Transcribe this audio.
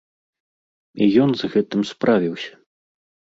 І ён з гэтым справіўся.